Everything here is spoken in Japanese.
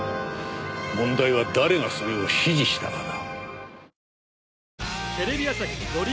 問題は誰がそれを指示したかだ。